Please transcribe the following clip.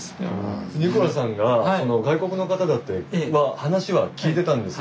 ニコラさんが外国の方だって話は聞いてたんですよ。